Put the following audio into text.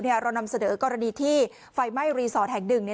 เรานำเสนอกรณีที่ไฟไหม้รีสอร์ทแห่งหนึ่ง